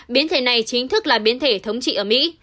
biến thể này chính thức là biến thể thống trị ở mỹ